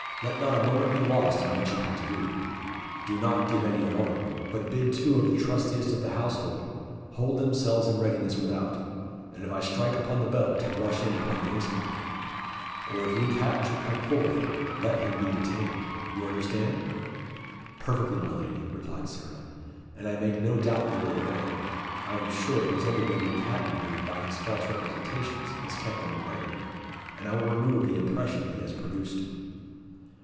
Let not a moment be lost in what you have to do. Do not give any alarm. But bid two of the trustiest of the household hold themselves in readiness without, and if I strike upon the bell to rush in upon the instant. Or if Luke Hatton should come forth, let him be detained. You understand?" "Perfectly, my lady," replied Sarah, "and I make no doubt they will obey. I am sure it has only been Luke Hatton who, by his false representations, has kept them away, and I will remove the impression he has produced."